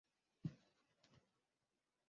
wakitumia lugha ya kiswahili lugha zao za kikabila